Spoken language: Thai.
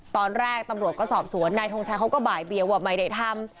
ตอนแรกตำรวจก็สอบสวนนายทงชัยเขาก็บ่ายเบียงว่าไม่ได้ทำ